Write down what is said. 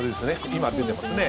今出てますね。